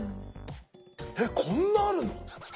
えっこんなあるの⁉すごい。